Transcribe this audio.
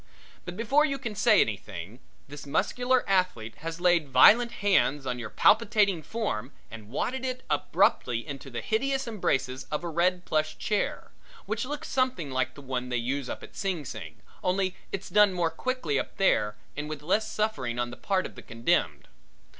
But before you can say anything, this muscular athlete has laid violent hands on your palpitating form and wadded it abruptly into the hideous embraces of a red plush chair, which looks something like the one they use up at Sing Sing, only it's done more quickly up there and with less suffering on the part of the condemned.